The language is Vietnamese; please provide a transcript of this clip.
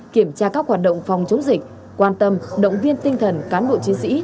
kiểm tra các hoạt động phòng chống dịch quan tâm động viên tinh thần cán bộ chiến sĩ